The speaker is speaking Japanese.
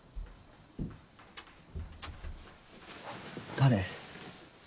誰？